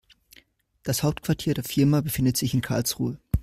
Das Hauptquartier der Firma befindet sich in Karlsruhe